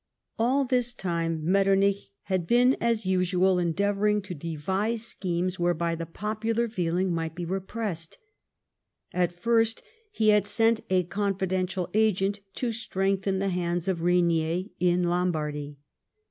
All this time Metternich had been, as usual, endeavouring to devise schemes whereby the po])ular feeling might be; repressed. At first he had sent a confidential agent to strengthen the hands of Rainier in Lombardy.